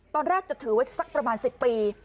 ตอนแรกจะถือไว้สักประมาณ๑๐ปี